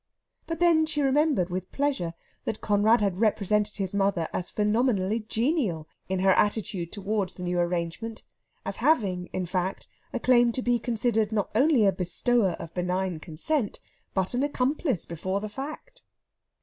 But then she remembered with pleasure that Conrad had represented his mother as phenomenally genial in her attitude towards the new arrangement; as having, in fact, a claim to be considered not only a bestower of benign consent, but an accomplice before the fact.